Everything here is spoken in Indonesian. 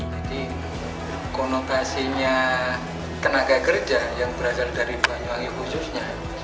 jadi konotasinya tenaga kerja yang berasal dari banyuwangi khususnya